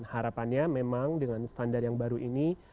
harapannya memang dengan standar yang baru ini